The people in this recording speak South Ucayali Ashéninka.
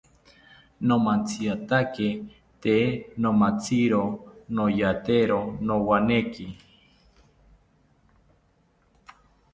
Nomantziatake tee nomatziro noyatero nowaneki